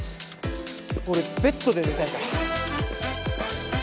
俺ベッドで寝たいから！